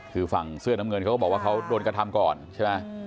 คือฝั่งเสื้อน้ำเงินเขาก็บอกว่าเขาโดนกระทำก่อนใช่ไหม